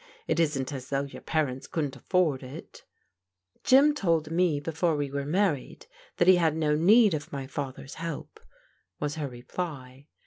It isn't as though your parents couldn't afford it" *' Jim told me before we were married that he had no need of my father's help," was her reply.